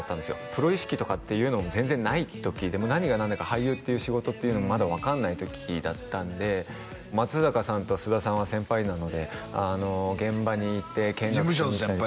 プロ意識とかっていうのも全然ない時で何が何だか俳優っていう仕事っていうのもまだ分かんない時だったんで松坂さんと菅田さんは先輩なので現場に行って見学事務所の先輩よね？